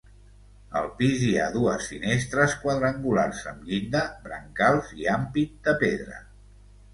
Al pis hi ha dues finestres quadrangulars amb llinda, brancals i ampit de pedra.